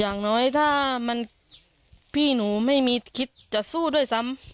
อย่างน้อยถ้ามันพี่หนูไม่มีคิดจะสู้ด้วยซ้ำ